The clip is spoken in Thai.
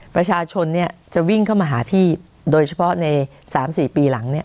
ประชาชนเนี่ยจะวิ่งเข้ามาหาพี่โดยเฉพาะใน๓๔ปีหลังเนี่ย